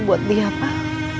buat dia pak